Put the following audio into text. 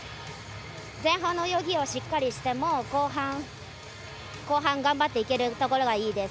前半の泳ぎをしっかりして後半頑張っていけるところがいいです。